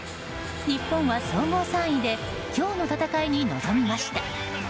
日本は、総合３位で今日の戦いに臨みました。